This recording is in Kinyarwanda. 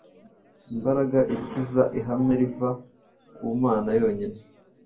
imbaraga ikiza, ihame riva ku Mana yonyine,